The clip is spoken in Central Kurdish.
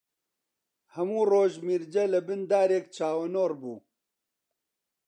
هەموو ڕۆژ میرجە لەبن دارێک چاوەنۆڕ بوو